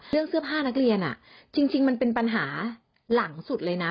เสื้อผ้านักเรียนจริงมันเป็นปัญหาหลังสุดเลยนะ